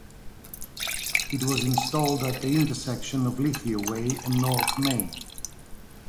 It was installed at the intersection of Lithia Way and North Main.